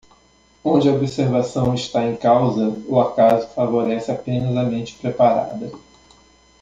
Onde a observação está em causa, o acaso favorece apenas a mente preparada.